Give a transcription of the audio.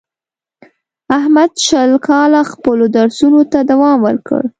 احمد شل کاله خپلو درسونو ته دوام ورکړ.